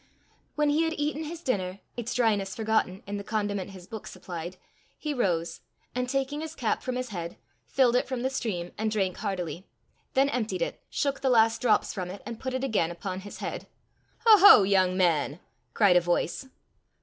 When he had eaten his dinner, its dryness forgotten in the condiment his book supplied, he rose, and taking his cap from his head, filled it from the stream, and drank heartily; then emptied it, shook the last drops from it, and put it again upon his head. "Ho, ho, young man!" cried a voice.